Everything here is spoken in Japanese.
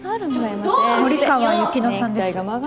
森川雪乃さんです。